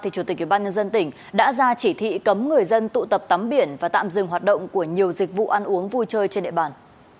chủ tịch ubnd tỉnh đã ra chỉ thị cấm người dân tụ tập tắm biển và tạm dừng hoạt động của nhiều dịch vụ ăn uống vui chơi trên địa bàn